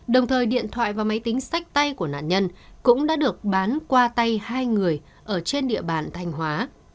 đồng thời điện thoại và máy tính sách tay của nạn nhân cũng đã được bán qua tay hai người ở trên địa bàn thành hóa